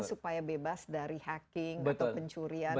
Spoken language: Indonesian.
supaya bebas dari hacking atau pencurian